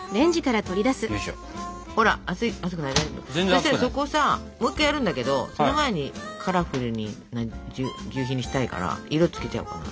そしたらそこさもう一回やるんだけどその前にカラフルなぎゅうひにしたいから色つけちゃおうかな。